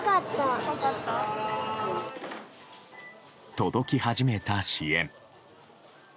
届き始めた支援。